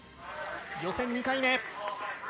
予選２回目。